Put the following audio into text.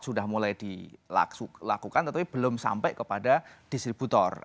sudah mulai dilakukan tetapi belum sampai kepada distributor